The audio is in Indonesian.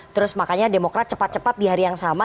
terus makanya demokrat cepat cepat di hari yang sama